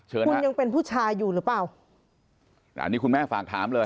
คุณยังเป็นผู้ชายอยู่หรือเปล่าอันนี้คุณแม่ฝากถามเลย